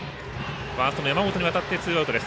ファーストの山本に渡ってツーアウトです。